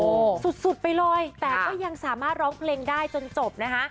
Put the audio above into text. โอ้โหสุดสุดไปเลยแต่ก็ยังสามารถร้องเพลงได้จนจบนะคะ